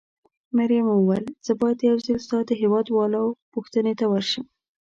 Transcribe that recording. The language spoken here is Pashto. مريم وویل: زه باید یو ځل ستا د هېواد والاو پوښتنې ته ورشم.